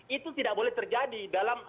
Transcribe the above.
itu tidak boleh terjadi dalam